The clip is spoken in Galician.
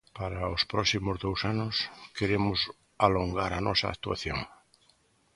Para os próximos dous anos, queremos alongar a nosa actuación.